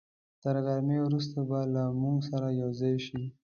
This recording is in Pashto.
تر غرمې وروسته به له موږ سره یوځای شي.